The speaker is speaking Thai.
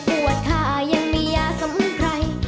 ปวดหัวกินยาเด็วก็หาย